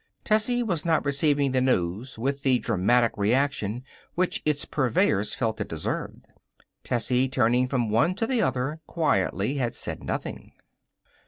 Tessie was not receiving the news with the dramatic reaction which its purveyors felt it deserved. Tessie, turning from one to the other quietly, had said nothing.